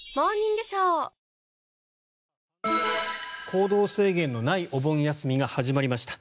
行動制限のないお盆休みが始まりました。